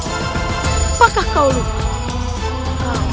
apakah kau lupa